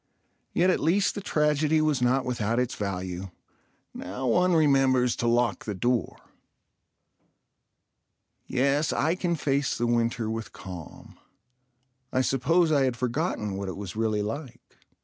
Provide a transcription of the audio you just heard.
Yet at least the tragedy was not without its value. Now one remembers to lock the door. Yes, I can face the winter with calm. I suppose I had forgotten what it was really like.